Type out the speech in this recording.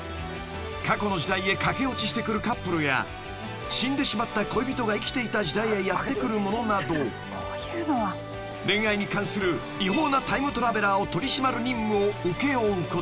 ［過去の時代へ駆け落ちしてくるカップルや死んでしまった恋人が生きていた時代へやって来る者など恋愛に関する違法なタイムトラベラーを取り締まる任務を請け負うことに］